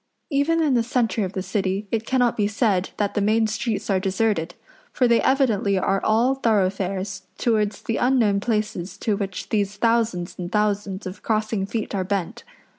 Even in the centre of the City it cannot be said that the main streets are deserted; for they evidently are all thoroughfares towards the unknown places to which these thousands and thousands of crossing feet are bent.